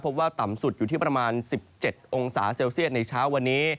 ว่าต่ำสุดอยู่ที่ประมาณ๑๗องศาเซลเซียตในเช้าวันนี้